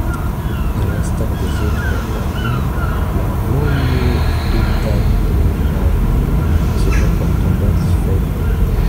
À l'instar des autres amines, la monoéthanolamine se comporte en base faible.